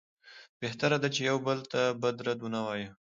بهتره ده چې یو بل ته بد رد ونه وایو.